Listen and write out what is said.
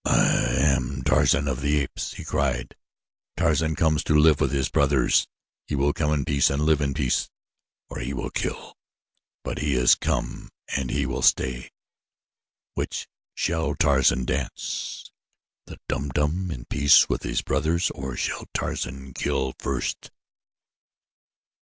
"I am Tarzan of the Apes," he cried. "Tarzan comes to live with his brothers. He will come in peace and live in peace or he will kill; but he has come and he will stay. Which shall Tarzan dance the Dum Dum in peace with his brothers, or shall Tarzan kill first?"